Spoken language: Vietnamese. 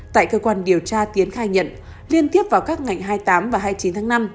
tại cơ quan điều tra tiến khai nhận liên tiếp vào các ngày hai mươi tám và hai mươi chín tháng năm